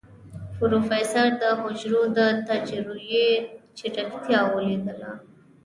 پروفيسر د حجرو د تجزيې چټکتيا وليدله.